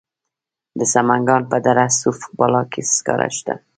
د سمنګان په دره صوف بالا کې سکاره شته.